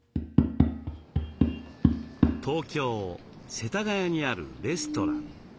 東京・世田谷にあるレストラン。